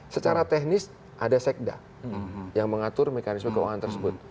secara teknis ada sekda yang mengatur mekanisme keuangan tersebut